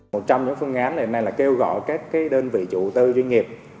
một trong những phương án hiện nay là kêu gọi các đơn vị chủ tư doanh nghiệp